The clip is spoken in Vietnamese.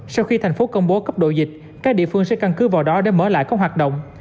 sau khi thành phố công bố cấp độ dịch các địa phương sẽ căn cứ vào đó để mở lại các hoạt động